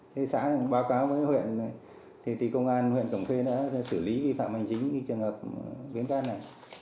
thế xã báo cáo với huyện thì công an huyện cổng khuê đã xử lý vi phạm hành chính trường hợp biến cát này